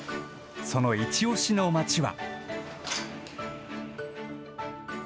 そのいちオシの街は。